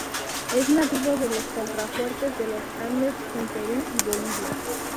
Es nativo de los contrafuertes de los Andes en Perú y Bolivia.